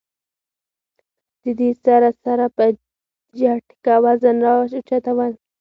د دې سره سره پۀ جټکه وزن را اوچتول